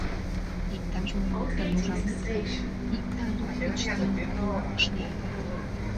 Иктаж-мом луктын ужалет гын, ик талук гыч тыйым кулакыш луктыт.